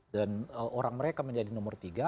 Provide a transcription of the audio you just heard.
dan orang mereka menjadi nomor tiga